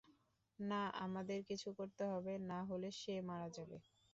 না, আমাদের কিছু করতে হবে, নাহলে সে মারা যাবে।